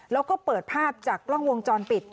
แล้วก็เปิดภาพจากกล้องวงจรปิด